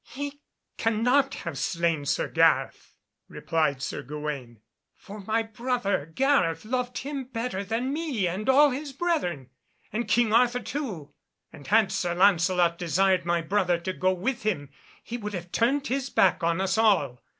"He cannot have slain Sir Gareth," replied Sir Gawaine, "for my brother Gareth loved him better than me and all his brethren, and King Arthur too. And had Sir Lancelot desired my brother to go with him, he would have turned his back on us all.